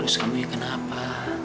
terus kamu kenapa